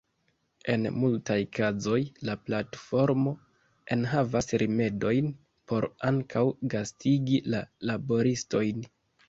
En multaj kazoj, la platformo enhavas rimedojn por ankaŭ gastigi la laboristojn.